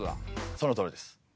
そのとおりです。